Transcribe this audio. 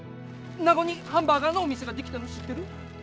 名護にハンバーガーのお店が出来たの知ってる？